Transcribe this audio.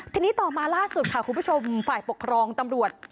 ทีนี้ต่อมาล่าสุดค่ะคุณผู้ชมฝ่ายปกครองตำรวจ